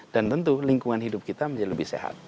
dan tentu lingkungan hidup kita menjadi lebih sehat